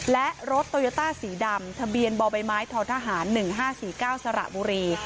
และรถโตโยต้าสีดำทะเบียนบ่อใบไม้ททหาร๑๕๔๙สระบุรี